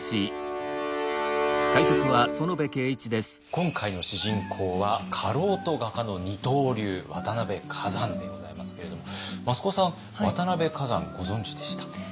今回の主人公は家老と画家の二刀流渡辺崋山でございますけれども益子さん渡辺崋山ご存じでした？